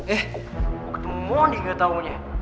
eh waktu mondi ga taunya